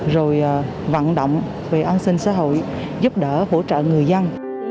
rồi vận động về an sinh xã hội giúp đỡ hỗ trợ người dân